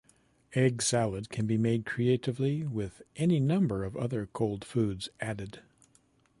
Egg salad can be made creatively with any number of other cold foods added.